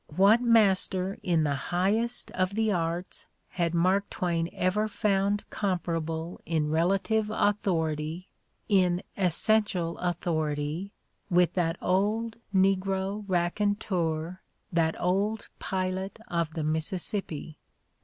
What master in the highest of the arts had Mark Twain ever found comparable in relative authority, in essential authority, with that old negro raconteur, that old pilot of the Mississippi